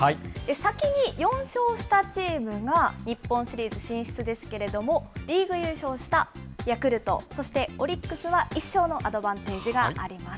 先に４勝したチームが日本シリーズ進出ですけれども、リーグ優勝したヤクルト、そしてオリックスは１勝のアドバンテージがあります。